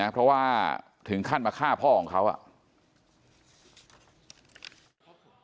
เพราะว่าถึงขั้นมาฆ่าพ่อของเขาอ่ะ